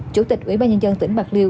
chủ tịch ubnd tỉnh bạc liêu